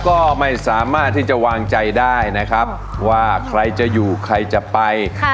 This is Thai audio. ก็ไม่สามารถที่จะวางใจได้นะครับว่าใครจะอยู่ใครจะไป